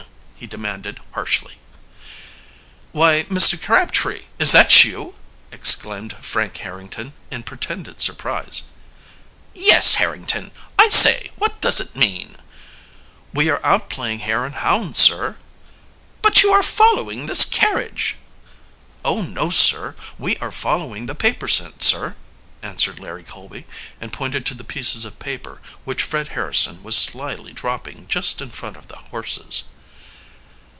he demanded harshly. "Why, Mr. Crabtree, is that you!" exclaimed Frank Harrington in pretended surprise. "Yes, Harrington. I say, what does it mean?" "We are out playing hare and hounds, sir." "But you are following this carriage." "Oh, no, sir, we are following the paper scent, sir," answered Larry Colby, and pointed to the pieces of paper, which Fred Harrison was slyly dropping just in front of the horses.